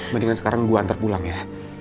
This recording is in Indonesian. mendingan sekarang gue antar pulang ya